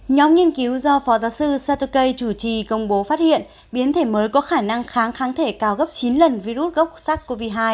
nhóm nghiên cứu do phó giáo sư satoke chủ trì công bố phát hiện biến thể mới có khả năng kháng kháng thể cao gấp chín lần virus gốc sars cov hai